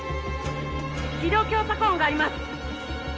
気道狭窄音があります